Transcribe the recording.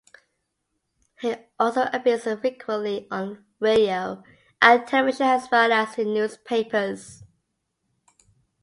He also appears frequently on radio and television as well as in newspapers.